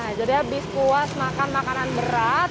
nah jadi habis puas makan makanan berat